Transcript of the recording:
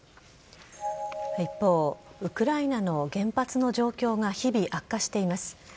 一方、ウクライナの原発の状況が日々悪化しています。